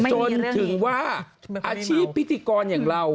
จนถึงว่าอาชีพพิธีกรอย่างเรา